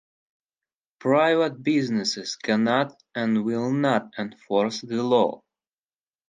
Private businesses cannot and will not enforce the law.